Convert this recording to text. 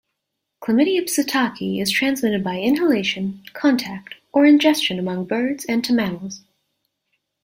"Chlamydia psittaci" is transmitted by inhalation, contact or ingestion among birds and to mammals.